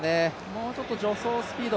もうちょっと助走スピード